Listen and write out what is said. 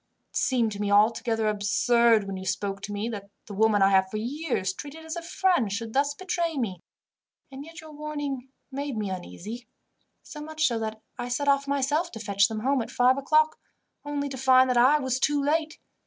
It seemed to me altogether absurd, when you spoke to me, that the woman I have for years treated as a friend should thus betray me. And yet your warning made me uneasy, so much so that I set off myself to fetch them home at five o'clock, only to find that I was too late.